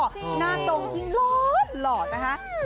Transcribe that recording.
หน้าตรงยิ่งหลอดหล่อนะคะ